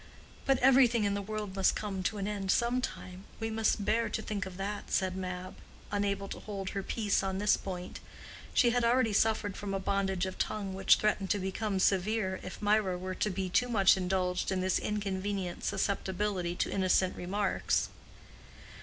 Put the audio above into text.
"But everything in the world must come to an end some time. We must bear to think of that," said Mab, unable to hold her peace on this point. She had already suffered from a bondage of tongue which threatened to become severe if Mirah were to be too much indulged in this inconvenient susceptibility to innocent remarks.